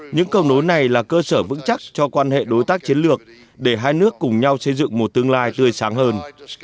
những cầu nối này là cơ sở vững chắc cho quan hệ đối tác chiến lược để hai nước cùng nhau xây dựng một tương lai tươi sáng hơn